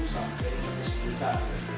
sampai lima puluh juta